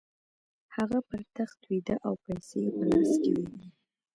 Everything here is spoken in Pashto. هغه پر تخت ویده او پیسې یې په لاس کې وې